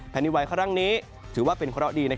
แผนวัยขณะนี้ถือว่าเป็นเพราะดี